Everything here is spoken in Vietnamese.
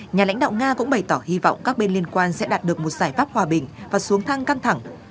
nhà lãnh đạo nga cũng bày tỏ hy vọng các bên liên quan sẽ đạt được một giải pháp hòa bình và xuống thăng căng thẳng